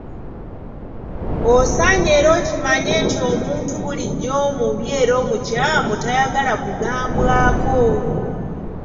Osaanye era okimanye nti omuntu bulijjo omubi era omukyamu tayagala kugambwako.